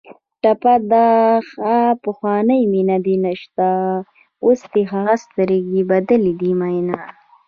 ټپه ده: ها پخوانۍ مینه دې نشته اوس دې هغه سترګې بدلې دي مینه